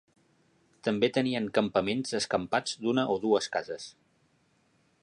També tenien campaments escampats d'una o dues cases.